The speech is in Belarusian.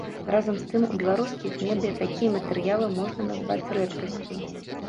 Разам з тым, у беларускіх медыя такія матэрыялы можна назваць рэдкасцю.